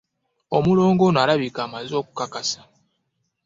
Omulongo ono alabika amaze okukakasa.